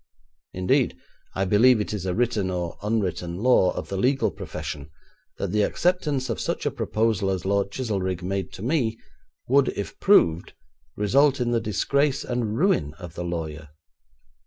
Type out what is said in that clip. Indeed, I believe it is a written or unwritten law of the legal profession that the acceptance of such a proposal as Lord Chizelrigg made to me, would, if proved, result in the disgrace and ruin of the lawyer.